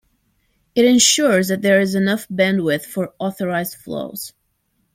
It ensures that there is enough bandwidth for authorized flows.